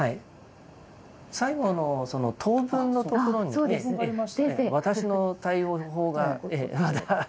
最後の「等分」のところに私の対応法がまだ。